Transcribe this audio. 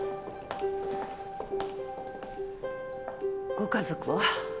ご家族は？